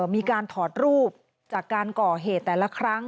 มีการถอดรูปจากการก่อเหตุแต่ละครั้ง